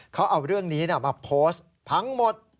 เขาเอาเรื่องนี้มาโพสต์พังหมด